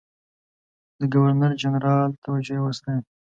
د ګورنرجنرال توجه یې وستایل.